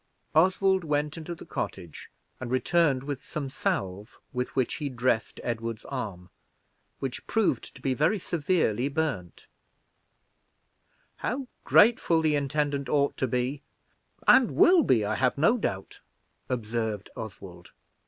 Oswald went into the cottage and returned with some salve, with which he dressed Edward's arm, which proved to be very severely burned. "How grateful the intendant ought to be and will be, I have no doubt!" observed Oswald.